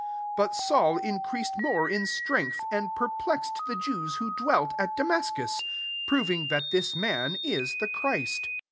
22 But Sa\^l in reased more in strength, and •erplexed the Jews who dw^t t Damascus^ proving that thi^ tan is the Christ.